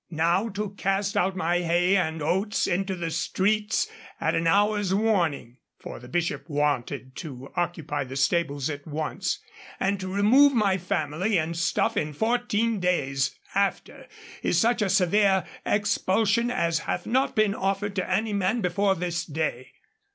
'Now to cast out my hay and oats into the streets at an hour's warning,' for the Bishop wanted to occupy the stables at once, 'and to remove my family and stuff in fourteen days after, is such a severe expulsion as hath not been offered to any man before this day.'